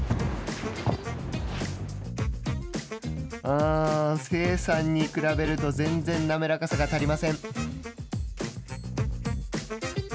うーん、聖さんに比べると全然滑らかさが足りません。